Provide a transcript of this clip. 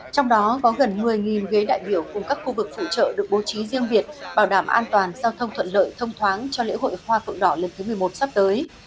trong đó có gần một mươi ghế đại biểu cùng các khu vực phụ trợ được bố trí riêng việt bảo đảm an toàn giao thông thuận lợi thông thoáng cho lễ hội hoa phượng đỏ lần thứ một mươi một sắp tới